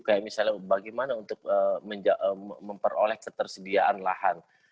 kayak misalnya bagaimana untuk memperoleh ketersediaan lahan